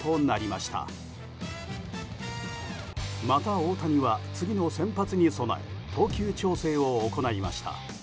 また大谷は次の先発に備え投球調整を行いました。